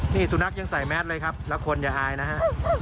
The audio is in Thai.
นี่สุนัขยังใส่แมสเลยครับแล้วคนอย่าอายนะฮะ